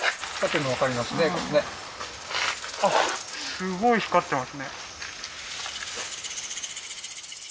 すごい光ってますね。